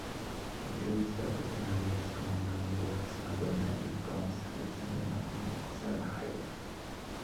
Entrevistó a personalidades como Naomi Watts, Madonna, Jeff Koons, Alexander McQueen o Salma Hayek.